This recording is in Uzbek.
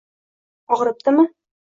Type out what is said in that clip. Og‘ribdimi?